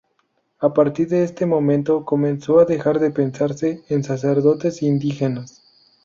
A partir de este momento comenzó a dejar de pensarse en sacerdotes indígenas.